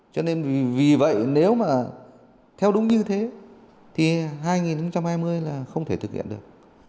cho nên vì vậy nếu mà theo đúng như thế thì hai nghìn hai mươi là không thể thực hiện được